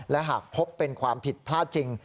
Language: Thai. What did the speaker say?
และหากพบเป็นความผิดพลาดจริง